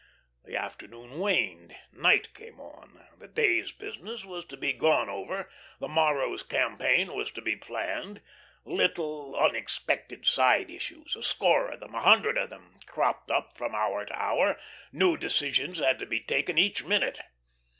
The afternoon waned, night came on. The day's business was to be gone over; the morrow's campaign was to be planned; little, unexpected side issues, a score of them, a hundred of them, cropped out from hour to hour; new decisions had to be taken each minute.